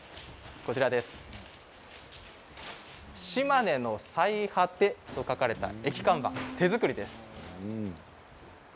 しまねのさいはてと書かれた駅看板、手作りです。